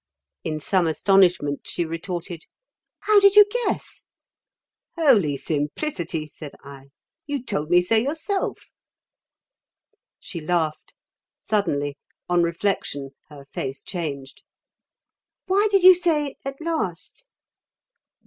In some astonishment she retorted: "How did you guess?" "Holy simplicity!" said I. "You told me so yourself." She laughed. Suddenly, on reflection, her face changed. "Why did you say 'at last'?"